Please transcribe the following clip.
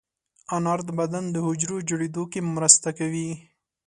انار د بدن د حجرو جوړېدو کې مرسته کوي.